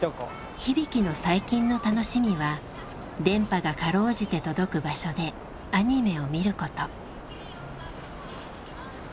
日々貴の最近の楽しみは電波がかろうじて届く場所でアニメを見ること。